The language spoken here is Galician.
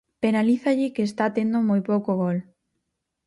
Penalízalle que está tendo moi pouco gol.